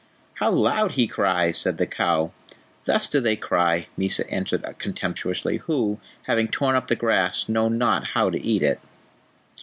"How loud he cries!" said the cow. "Thus do they cry," Mysa answered contemptuously, "who, having torn up the grass, know not how to eat it."